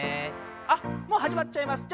あっはじまっちゃいます。